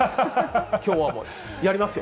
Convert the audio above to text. きょうはもう、やりますよ。